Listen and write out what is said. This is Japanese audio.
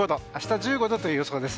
１５度という予想です。